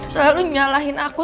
selalu nyalahin aku